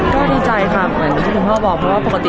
ก็ดีใจค่ะเหมือนที่คุณพ่อบอกเพราะว่าปกติ